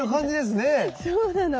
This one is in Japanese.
そうなの。